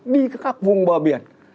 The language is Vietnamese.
đi khắp vùng bờ biển